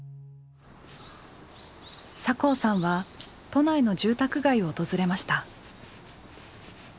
酒匂さんは都内の住宅街を訪れました。